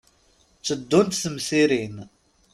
Tteddunt temsirin.